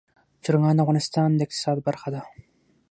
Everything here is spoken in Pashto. چرګان د افغانستان د اقتصاد برخه ده.